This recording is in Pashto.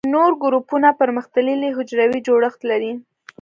نور ګروپونه پرمختللي حجروي جوړښت لري.